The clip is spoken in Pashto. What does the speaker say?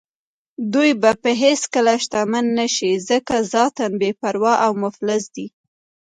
دوی به هېڅکله شتمن نه شي ځکه ذاتاً بې پروا او مفلس دي.